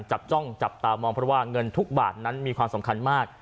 จับจ้องจับตามองเพราะว่าเงินทุกบาทนั้นมีความสำคัญมาก